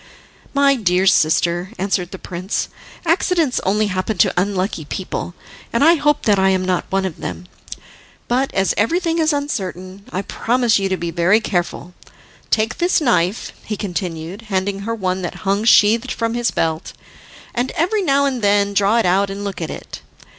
"My dear sister," answered the prince, "accidents only happen to unlucky people, and I hope that I am not one of them. But as everything is uncertain, I promise you to be very careful. Take this knife," he continued, handing her one that hung sheathed from his belt, "and every now and then draw it out and look at it.